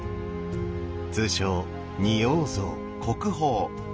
通称仁王像。